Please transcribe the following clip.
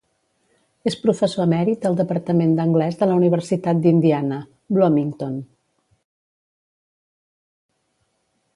És professor emèrit al departament d"anglès de la Universitat d"Indiana, Bloomington.